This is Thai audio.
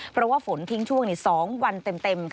เพราะว่าฝนทิ้งช่วง๒วันเต็ม